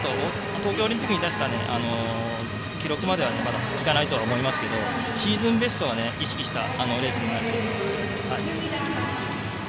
東京オリンピックに出した記録まではまだいかないと思いますけどシーズンベストは意識したレースになると思います。